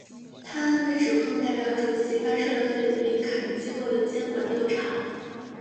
他们被指控代表主席干涉了对林肯机构的监管调查。